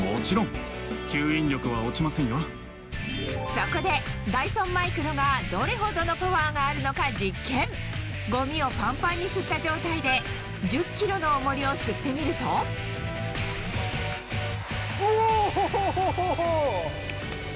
そこでダイソンマイクロがどれほどのパワーがあるのか実験ゴミをパンパンに吸った状態で１０ｋｇの重りを吸ってみるとおホホホ！